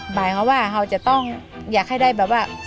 หมายความว่าเขาจะต้องอยากให้ได้แบบว่า